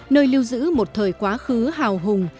nơi lưu giữ một thời quá khứ hào hùng